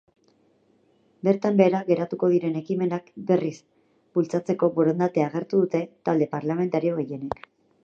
Bertan behera geratuko diren ekimenak berriz bultzatzeko borondatea agertu dute talde parlamentario gehienek.